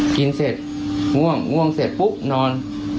กินเสร็จง่วงง่วงเสร็จปุ๊บนอน